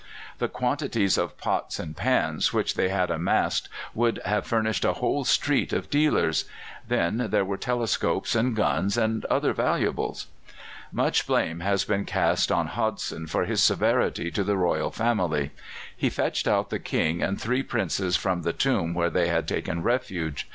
The quantities of pots and pans which they had amassed would have furnished a whole street of dealers; then, there were telescopes and guns and other valuables. Much blame has been cast on Hodson for his severity to the royal family. He fetched out the King and three Princes from the tomb where they had taken refuge.